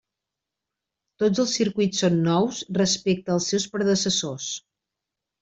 Tots els circuits són nous respecte als seus predecessors.